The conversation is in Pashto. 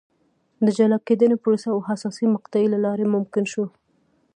د جلا کېدنې پروسې او حساسې مقطعې له لارې ممکن شو.